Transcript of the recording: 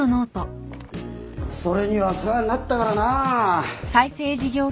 それには世話になったからなぁ。